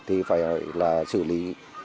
thì phải xử lý